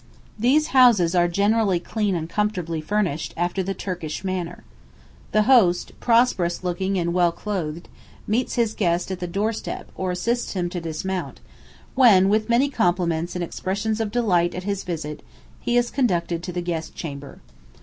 These houses are generally clean and comfortably furnished after the Turkish manner. The host, prosperous looking and well clothed, meets his guest at the doorstep or assists him to dismount, when, with many compliments and expressions of delight at his visit, he is conducted to the guest chamber.